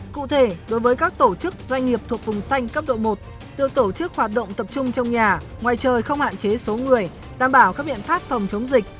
cụ thể đối với các tổ chức doanh nghiệp thuộc vùng xanh cấp độ một việc tổ chức hoạt động tập trung trong nhà ngoài trời không hạn chế số người đảm bảo các biện pháp phòng chống dịch